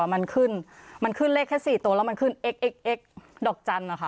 มันขึ้นมันขึ้นเลขแค่๔ตัวแล้วมันขึ้นเอ็กเอ็กเอ็กซ์ดอกจันทร์นะคะ